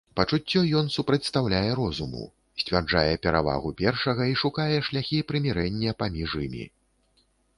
Пачуццё ён супрацьпастаўляе розуму, сцвярджае перавагу першага і шукае шляхі прымірэння паміж імі.